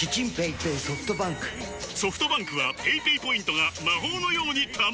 ソフトバンクはペイペイポイントが魔法のように貯まる！